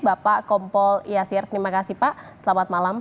bapak kompol yasir terima kasih pak selamat malam